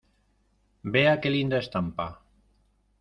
vea qué linda estampa.